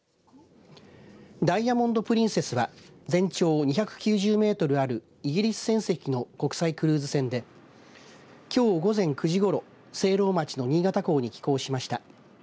ダイヤモンド・プリンセスは全長２９０メートルあるイギリス船籍の国際クルーズ船できょう午前９時ごろ聖籠町の新潟港に寄港しました。